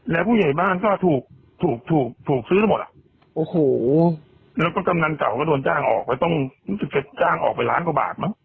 แล้วก็กำหนังเก่าก็โดนจ้างออกไปต้องจ้างออกไปล้านกว่าบาทมั้ย